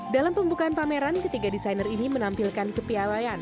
dalam pembukaan pameran ketiga desainer ini menampilkan kepiawayan